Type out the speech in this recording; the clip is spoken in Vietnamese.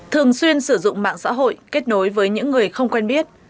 thường xuyên sử dụng mạng xã hội kết nối với những người không quen biết